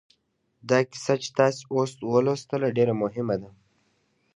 دا کیسه چې تاسې اوس ولوسته ډېره مهمه ده